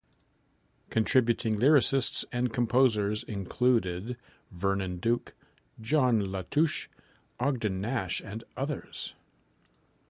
Contributing lyricists and composers included Vernon Duke, John Latouche, Ogden Nash and others.